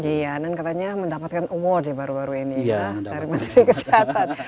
iya dan katanya mendapatkan award ya baru baru ini ya dari menteri kesehatan